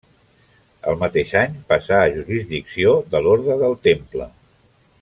El mateix any passà a jurisdicció de l'orde del Temple.